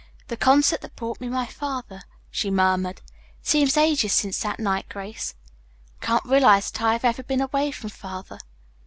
"The concert that brought me my father," she murmured. "It seems ages since that night, Grace. I can't realize that I have ever been away from Father."